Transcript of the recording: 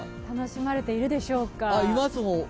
楽しまれているでしょうか。